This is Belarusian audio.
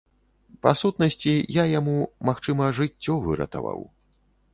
Па сутнасці, я яму, магчыма, жыццё выратаваў.